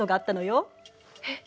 えっ？